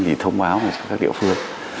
thì thông báo cho các địa phương